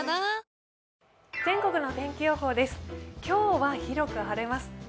今日は広く晴れます。